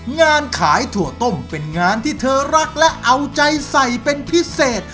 งานขายถั่วต้มเป็นงานที่เธอรักและเอาใจใส่เป็นพิเศษ